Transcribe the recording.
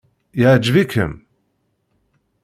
Iɛǧeb-ikem?